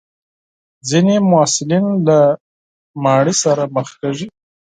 ځینې محصلین له خپګان سره مخ کېږي.